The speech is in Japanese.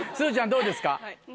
どうですか？